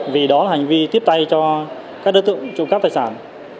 vì đó là hành vi tiếp tay cho các đối tượng trộm cắp tài sản